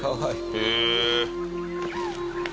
へえ！